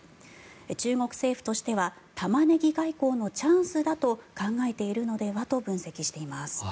中国政府としてはタマネギ外交のチャンスだと考えているのではと分析しています。